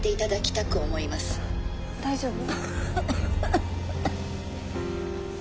大丈夫？